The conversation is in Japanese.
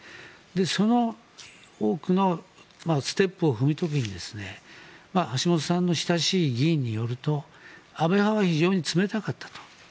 その多くのステップを踏む時に橋本さんの親しい議員によると安倍派は非常に冷たかったと。